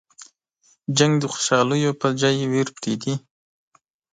جنګ د خوشحالیو په ځای ویر پرېږدي.